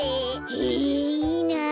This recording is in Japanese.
へえいいなあ。